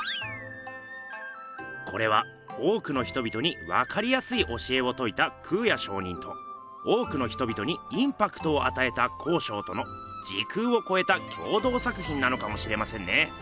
これは多くの人々にわかりやすい教えをといた空也上人と多くの人々にインパクトをあたえた康勝との時空をこえた共同作品なのかもしれませんね。